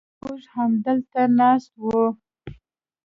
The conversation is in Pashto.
موږ همدلته ناست و.